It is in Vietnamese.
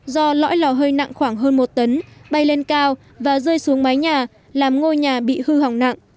do lõi lò hơi nặng khoảng hơn một tấn bay lên cao và rơi xuống mái nhà làm ngôi nhà bị hư hỏng nặng